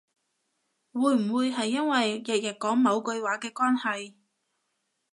會唔會係因為日日講某句話嘅關係